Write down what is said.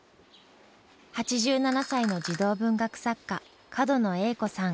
８７歳の児童文学作家角野栄子さん。